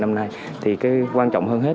năm nay thì cái quan trọng hơn hết